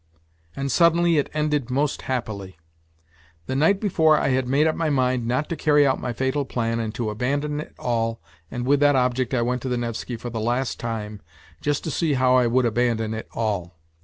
And suddenly it ended most happily. The night before I had made up my mind not to carry out my fatal plan and to abandon it all, and with that object I went to the Nevsky for the last time, just to see how I would abandon it all.